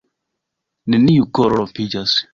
neniu koro rompiĝas